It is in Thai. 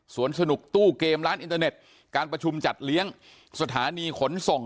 สนุกตู้เกมร้านอินเตอร์เน็ตการประชุมจัดเลี้ยงสถานีขนส่ง